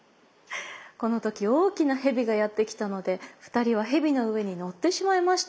このときおおきなヘビがやってきたのでふたりはヘビのうえにのってしまいました。」